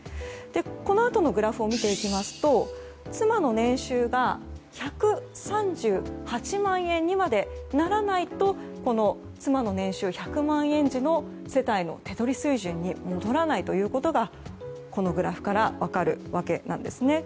このあとのグラフを見ていきますと、妻の年収が１３８万円にまでならないと妻の年収１００万円時の世帯の手取り水準に戻らないことがこのグラフから分かるんですね。